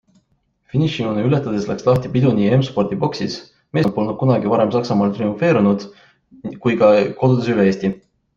Finišijoone ületades läks lahti pidu nii M-Sporti boksis -meeskond polnud kunagi varem Saksamaal triumfeerinud - kui ka kodudes üle Eesti.